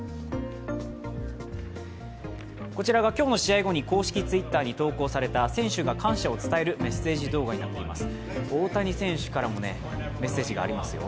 こちらが今日の試合後に公式Ｔｗｉｔｔｅｒに投稿された選手が感謝を伝えるメッセージ動画になっています。